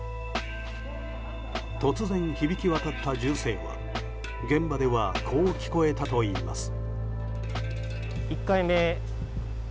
突然、響き渡った銃声は現場ではこう聞こえたといいます。